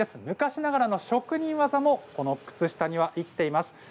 昔ながらの職人技もこの靴下には生きています。